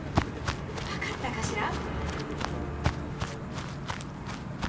わかったかしら？